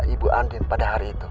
ibu amin pada hari itu